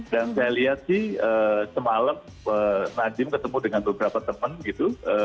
dan saya lihat sih semalam nadiem ketemu dengan beberapa temen gitu